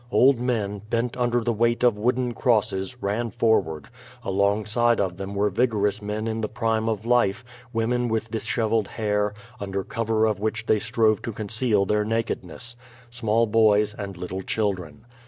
Old men, bent under the weight of wooden crosses, ran forward; alongside of them were vigorous men in the prime of life, women with dishevelled hair, under cover of which they strove to conceal their nakedness; small boys and little children.